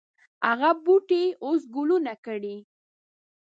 هغه بوټی اوس ګلونه کړي